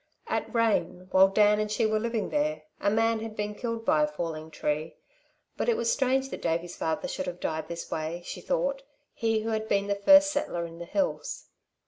At Rane, while Dan and she were living there, a man had been killed by a falling tree, but it was strange that Davey's father should have died in this way, she thought, he who had been the first settler in the hills.